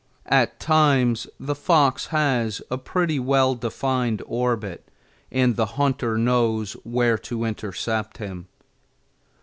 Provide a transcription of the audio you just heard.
At times the fox has a pretty well defined orbit, and the hunter knows where to intercept him.